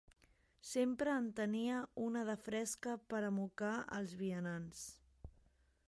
Sempre en tenia una de fresca per a mocar els vianants.